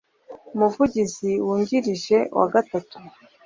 umuvugizi wungirije wa gatatu